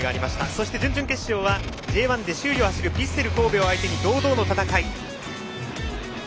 そして準々決勝はＪ１で首位を走るヴィッセル神戸を相手に堂々の戦い。